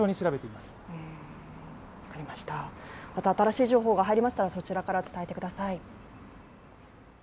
また新しい情報が入りましたらそちらから伝えてください。